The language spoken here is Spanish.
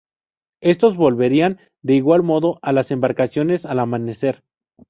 Estos volverían de igual modo a las embarcaciones al amanecer.